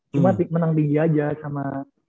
cuma menang digi aja sama